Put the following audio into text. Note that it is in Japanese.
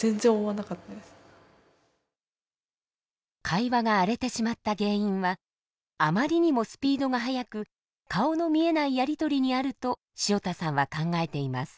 会話が荒れてしまった原因はあまりにもスピードが速く顔の見えないやりとりにあると塩田さんは考えています。